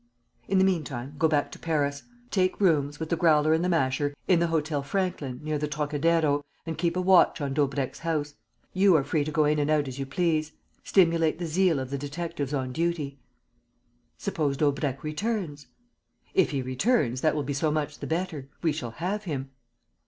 "In the meantime, go back to Paris. Take rooms, with the Growler and the Masher, in the Hôtel Franklin, near the Trocadero, and keep a watch on Daubrecq's house. You are free to go in and out as you please. Stimulate the zeal of the detectives on duty." "Suppose Daubrecq returns?" "If he returns, that will be so much the better: we shall have him."